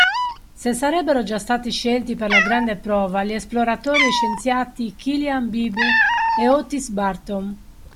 Se sarebbero già stati scelti per la grande prova gli esploratori e scienziati Killiam Beebe ed Otis Bartom.